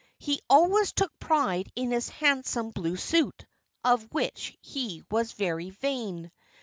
He always took pride in his handsome blue suit, of which he was very vain.